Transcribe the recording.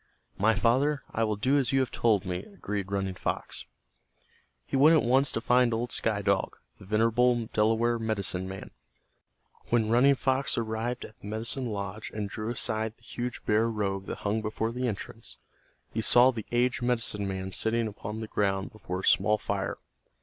"My father, I will do as you have told me," agreed Running Fox. He went at once to find old Sky Dog, the venerable Delaware medicine man. When Running Fox arrived at the medicine lodge and drew aside the huge bear robe that hung before the entrance, he saw the aged medicine man sitting upon the ground before a small fire.